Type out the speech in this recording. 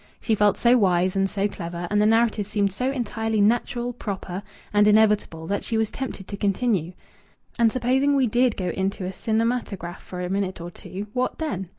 She felt so wise and so clever and the narrative seemed so entirely natural, proper, and inevitable that she was tempted to continue "And supposing we did go into a cinematograph for a minute or two what then?"